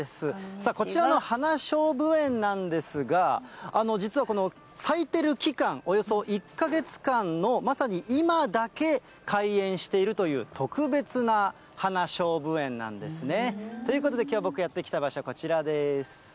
さあ、こちらの花しょうぶ園なんですが、実はこの咲いてる期間、およそ１か月間のまさに今だけ開園しているという、特別な花しょうぶ園なんですね。ということできょう、僕がやって来た場所、こちらです。